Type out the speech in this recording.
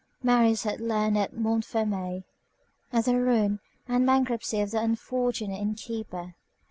Marius had learned at Montfermeil of the ruin and bankruptcy of the unfortunate inn keeper.